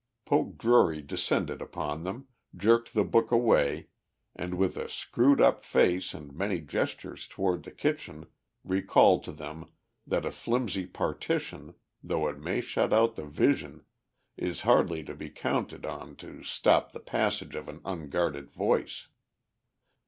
Poke Drury descended upon them, jerked the book away and with a screwed up face and many gestures toward the kitchen recalled to them that a flimsy partition, though it may shut out the vision, is hardly to be counted on to stop the passage of an unguarded voice.